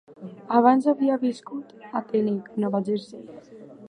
Abans havia viscut a Teaneck, Nova Jersey.